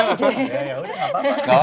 ya udah gak apa apa